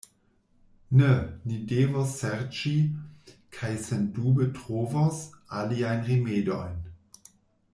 Ne, ni devos serĉi, kaj sendube trovos, aliajn rimedojn.